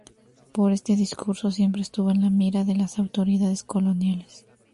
Por este discurso, siempre estuvo en la mira de las autoridades coloniales.